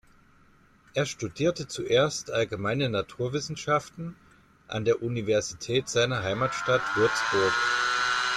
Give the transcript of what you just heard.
Er studierte zuerst „Allgemeine Naturwissenschaften“ an der Universität seiner Heimatstadt Würzburg.